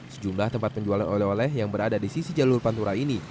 sejumlah tempat penjualan oleh oleh yang berada di sisi jalur pantura ini